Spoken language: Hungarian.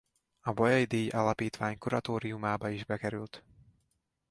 A Bolyai-díj Alapítvány kuratóriumába is bekerült.